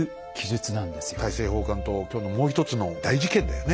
大政奉還と今日のもう一つの大事件だよね。